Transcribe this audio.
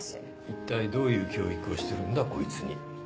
一体どういう教育をしてるんだこいつに。